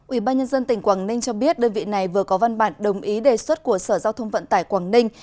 ủy ban nhân dân tỉnh quảng ninh cho biết đơn vị này vừa có văn bản đồng ý đề xuất của sở giao thông vận tải quảng ninh